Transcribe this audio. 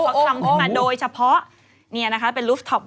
เขาทำขึ้นมาโดยเฉพาะนี่นะคะเป็นลูฟท็อป